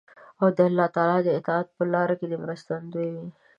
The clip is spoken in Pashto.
او د الله تعالی د اطاعت په لار کې دې مرستندوی وي.